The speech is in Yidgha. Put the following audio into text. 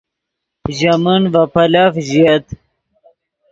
ژے من ڤے پیلف ژییت